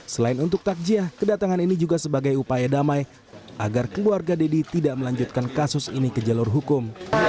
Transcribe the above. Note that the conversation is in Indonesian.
selain untuk takjiah kedatangan ini juga sebagai upaya damai agar keluarga deddy tidak melanjutkan kasus ini ke jalur hukum